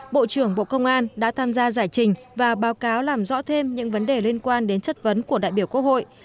bộ trưởng bộ công an đã tham gia giải trình và báo cáo làm rõ thêm những vấn đề liên quan đến chất vấn của đại biểu quốc hội